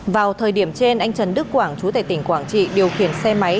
vào thời điểm trên anh trần đức quảng chú tệ tỉnh quảng trị điều khiển xe máy